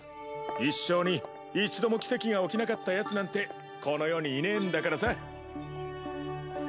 一生に一度も奇跡が起きなかったヤツなんてこの世にいねぇんだからさ。